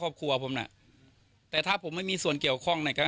ประมาณนี้มันต้องย่อมา